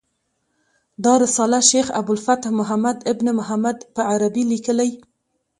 دا رساله شیخ ابو الفتح محمد بن محمد په عربي لیکلې.